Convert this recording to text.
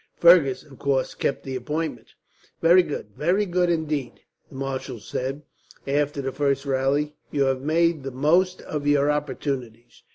Fergus, of course, kept the appointment. "Very good. Very good, indeed," the marshal said, after the first rally. "You have made the most of your opportunities.